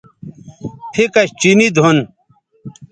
پھیکش چینی دُھن